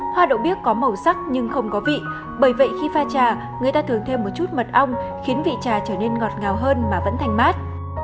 hoa đậu bích có màu sắc nhưng không có vị bởi vậy khi pha trà người ta thường thêm một chút mật ong khiến vị trà trở nên ngọt ngào hơn mà vẫn thành mát